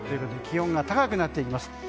気温が高くなっていきます。